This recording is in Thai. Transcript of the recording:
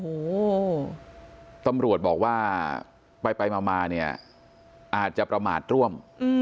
โอ้โหตำรวจบอกว่าไปไปมาเนี่ยอาจจะประมาทร่วม